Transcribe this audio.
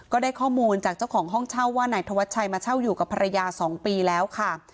ก็ได้ข้อมูลจากเจ้าของห้องเช่าว่านายธวัชชัยมาเช่าอยู่กับภรรยา๒ปีแล้วค่ะ